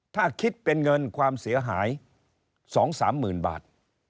ถ้าคิดเป็นเงินความเสียหายสองสามหมื่นบาท